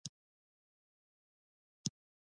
حموربي د قوانینو ټولګه د بابل لپاره لارښود وه.